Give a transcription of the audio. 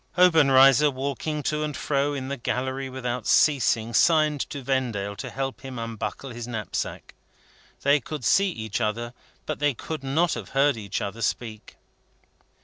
Obenreizer, walking to and fro in the gallery without ceasing, signed to Vendale to help him unbuckle his knapsack. They could see each other, but could not have heard each other speak.